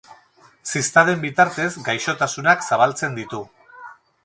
Ziztaden bitartez, gaixotasunak zabaltzen ditu.